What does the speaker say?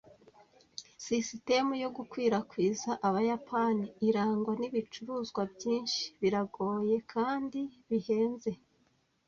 Sisitemu yo gukwirakwiza abayapani, irangwa n’ibicuruzwa byinshi, biragoye kandi bihenze